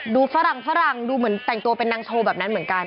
ฝรั่งฝรั่งดูเหมือนแต่งตัวเป็นนางโชว์แบบนั้นเหมือนกัน